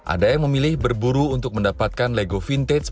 ada yang memilih berburu untuk mendapatkan lego vintage